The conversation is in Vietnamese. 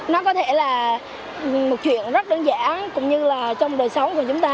nó có thể là một chuyện rất đơn giản cũng như là trong đời sống của chúng ta